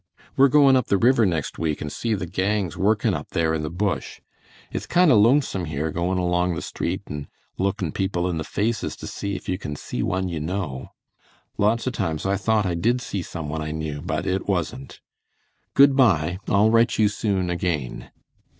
We're goin' up the river next week and see the gangs workin' up there in the bush. It's kind o' lonesome here goin' along the street and lookin' people in the faces to see if you can see one you know. Lots of times I though I did see some one I knew but it wasn't. Good by, I'll write you soon again.